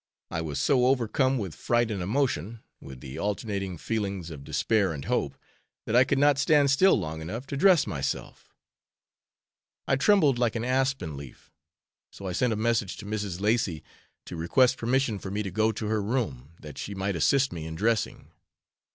I was so overcome with fright and emotion, with the alternating feelings of despair and hope that I could not stand still long enough to dress myself. I trembled like an aspen leaf; so I sent a message to Mrs. Lacy to request permission for me to go to her room, that she might assist me in dressing.